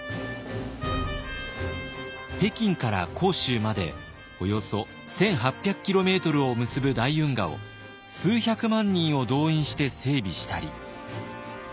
北京から杭州までおよそ１，８００キロメートルを結ぶ大運河を数百万人を動員して整備したり。